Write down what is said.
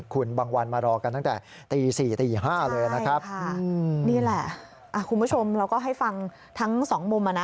คุณบางวันมารอกันตั้งแต่ตี๔ตี๕เลยนะครับนี่แหละคุณผู้ชมเราก็ให้ฟังทั้งสองมุมอ่ะนะ